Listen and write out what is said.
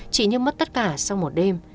chị như mất tất cả sau một đêm